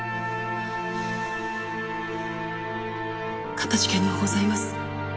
かたじけのうございます。